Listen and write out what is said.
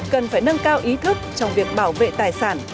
cần phải nâng cao ý thức trong việc bảo vệ tài sản